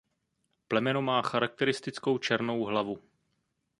Plemeno má charakteristickou černou hlavu.